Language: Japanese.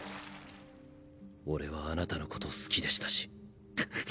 俺はあなたの事好きでしたし。